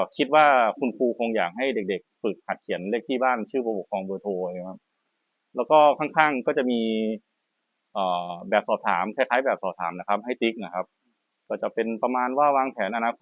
คุณครูคงอยากให้เด็กฝึกผ่านเขียนเลข